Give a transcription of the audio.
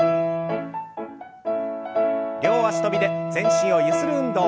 両脚跳びで全身をゆする運動。